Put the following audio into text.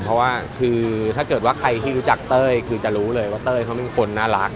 เพราะว่าคือถ้าเกิดว่าใครที่รู้จักเต้ยคือจะรู้เลยว่าเต้ยเขาเป็นคนน่ารัก